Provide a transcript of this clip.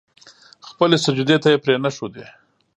خپلې سجدې ته يې پرې نه ښودې.